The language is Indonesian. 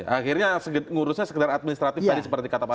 akhirnya ngurusnya sekedar administratif tadi seperti kata pak